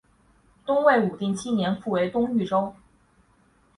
东魏武定七年复为东豫州。